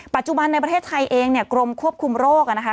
ปัจจุบันในประเทศไทยเองเนี่ยกรมควบคุมโรคนะคะ